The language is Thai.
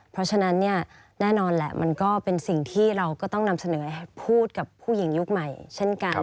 เพราะฉะนั้นเนี่ยแน่นอนแหละมันก็เป็นสิ่งที่เราก็ต้องนำเสนอพูดกับผู้หญิงยุคใหม่เช่นกัน